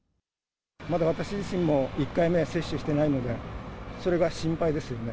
まだ私自身も１回目、接種してないので、それが心配ですよね。